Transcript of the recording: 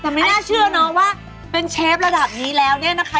แต่ไม่น่าเชื่อเนาะว่าเป็นเชฟระดับนี้แล้วเนี่ยนะคะ